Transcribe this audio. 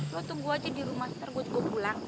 lo tunggu aja di rumah tergut gue pulang